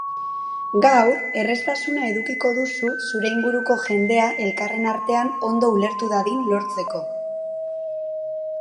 Gaur erraztasuna edukiko duzu zure inguruko jendea elkarren artean ondo ulertu dadin lortzeko.